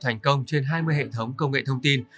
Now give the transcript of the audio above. thành công trên hai mươi hệ thống công nghệ thông tin